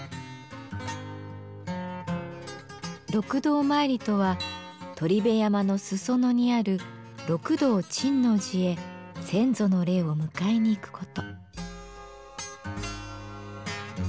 六道まいりとは鳥辺山の裾野にある六道珍皇寺へ先祖の霊を迎えに行く事。